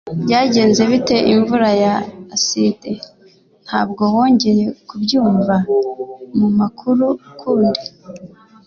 Byagenze bite imvura ya aside? Ntabwo wongeye kubyumva mumakuru ukundi